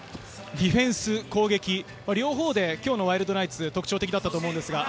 ディフェンス、攻撃両方でワイルドナイツ、特徴的だったと思います。